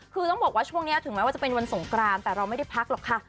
คือต้องบอกว่าช่วงนี้ถึงแม้ว่าจะเป็นวันสงกรานแต่เราไม่ได้พักหรอกค่ะ